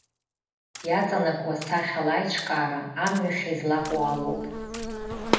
Иаҵанакуа сахьала аиҿкаара амҩахь излаҟоу алоуп.